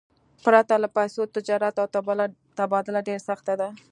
پرته له پیسو، تجارت او تبادله ډېره سخته ده.